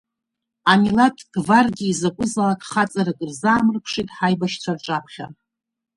Амилаҭтә гвардиа изакәызаалакь хаҵарак рзаамырԥшит ҳаибашьцәа рҿаԥхьа.